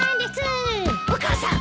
お母さん！